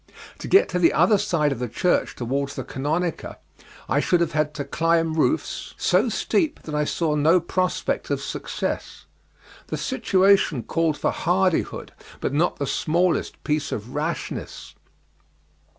To get to the other side of the church towards the Canonica, I should have had to climb roofs so steep that I saw no prospect of success. The situation called for hardihood, but not the smallest piece of rashness.